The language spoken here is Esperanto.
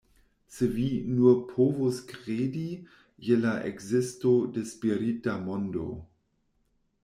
Se vi nur povus kredi je la ekzisto de spirita mondo!